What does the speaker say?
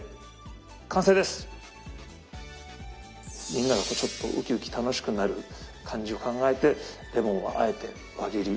みんながちょっとウキウキ楽しくなる感じを考えてレモンはあえて輪切り。